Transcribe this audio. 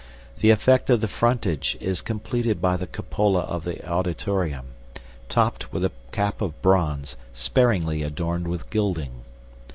The effect of the frontage is completed by the cupola of the auditorium, topped with a cap of bronze sparingly adorned with gilding.